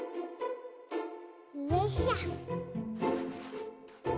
よいしょ。